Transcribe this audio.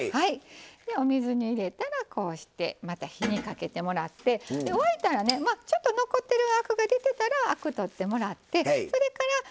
お水に入れたらまた火にかけてもらって沸いたらちょっと残ってるアクが出てたら、アク取ってもらって。